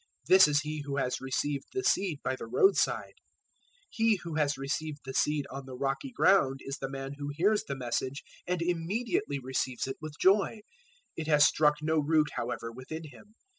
This is he who has received the seed by the road side. 013:020 He who has received the seed on the rocky ground is the man who hears the Message and immediately receives it with joy. 013:021 It has struck no root, however, within him.